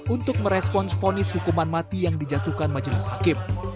untuk merespons fonis hukuman mati yang dijatuhkan majelis hakim